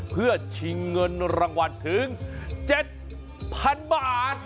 เพื่อชิงเงินรางวัลถึง๗๐๐๐บาท